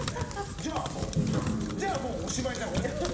じゃあ、もうおしまいじゃん俺たち。